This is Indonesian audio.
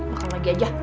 makan lagi aja